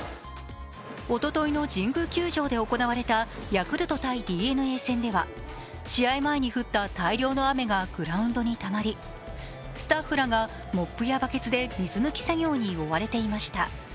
おとといの神宮球場で行われたヤクルト×ＤｅＮＡ戦では試合前に降った大量の雨がグラウンドにたまりスタッフらがモップやバケツで水抜き作業に追われていました。